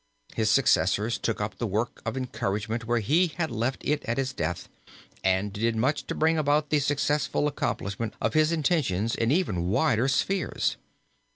His successors took up the work of encouragement where he had left it at his death and did much to bring about the successful accomplishment of his intentions in even wider spheres.